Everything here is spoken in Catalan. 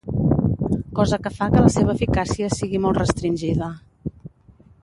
cosa que fa que la seva eficàcia sigui molt restringida